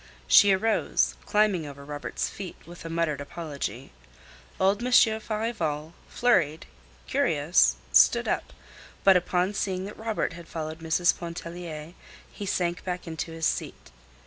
She arose, climbing over Robert's feet with a muttered apology. Old Monsieur Farival, flurried, curious, stood up, but upon seeing that Robert had followed Mrs. Pontellier, he sank back into his seat.